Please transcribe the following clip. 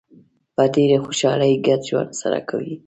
په ډېرې خوشحالۍ ګډ ژوند سره کوي.